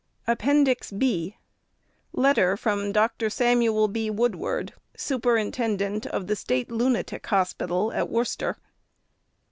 (B.) Letter from DR. SAMUEL B. WOODWARD, Superintendent of the State Lunatic Hospital at Worcester.